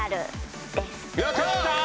やった！